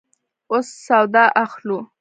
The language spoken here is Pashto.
اوس سودا اخلو